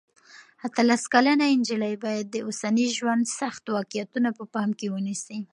اتلس کلنه نجلۍ باید د اوسني ژوند سخت واقعیتونه په پام کې ونیسي.